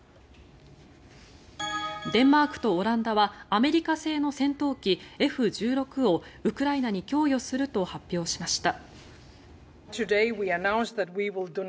デンマークとオランダはアメリカ製の戦闘機Ｆ１６をウクライナに供与すると発表しました。